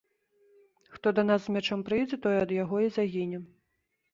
Хто да нас з мячом прыйдзе, той ад яго і загіне.